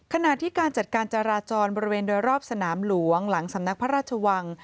ขณะที่การจัดการจราจรบริเวณโดยรอบสนามหลวงหลังสำนักพระราชวัง